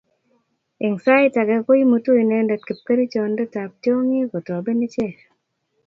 eng' sait age ko imutu inendet kipkerichondetab tyong'ik kotoben ichek